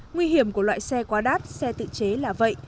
nguy hiểm của loại xe quá đắt xe tự chế là vậy